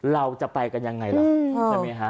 เราจะไปกันยังไงล่ะใช่ไหมฮะ